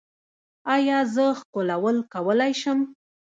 ایا زه ښکلول کولی شم؟